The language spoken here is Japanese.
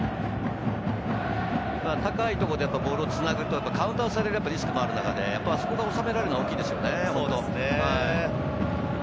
高いところでボールをつなぐとカウンターをされるリスクがある中で、あそこに収められるのは大きいですよね。